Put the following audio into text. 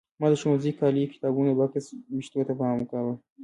ما د ښوونځي کالیو کتابونو بکس وېښتو ته پام کاوه.